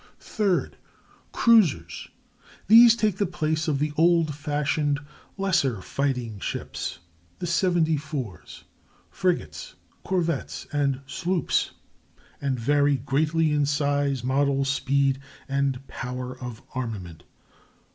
Third, cruisers. These take the place of the old fashioned lesser fighting ships, the seventy fours, frigates, corvettes, and sloops, and vary greatly in size, model, speed, and power of armament.